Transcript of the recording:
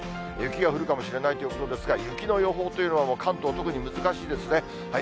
雪が降るかもしれないということですが、雪の予報というのは関東特に難しいですね。